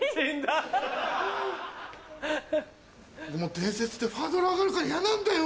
伝説ってハードル上がるから嫌なんだよ。